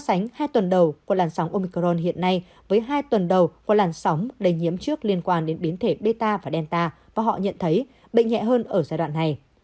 họ so sánh hai tuần đầu của làn sóng omicron hiện nay với hai tuần đầu của làn sóng đầy nhiễm trước liên quan đến biến thể beta và delta và họ nhận thấy bệnh nhẹ hơn ở giai đoạn này